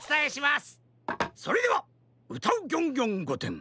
それでは「うたうギョンギョンごてん」